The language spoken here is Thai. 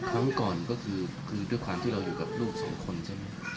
ครั้งก่อนก็คือด้วยความที่เราอยู่กับลูกสองคนใช่ไหม